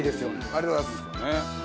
ありがとうございます！